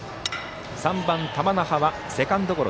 ３番、玉那覇はセカンドゴロ。